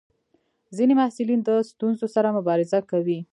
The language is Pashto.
ځینې محصلین د ستونزو سره مبارزه کوي.